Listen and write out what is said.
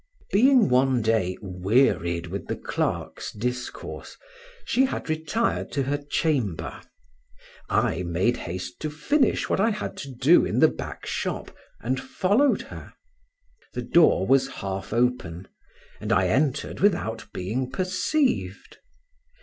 Being, one day, wearied with the clerk's discourse, she had retired to her chamber; I made haste to finish what I had to do in the back shop, and followed her; the door was half open, and I entered without being perceived.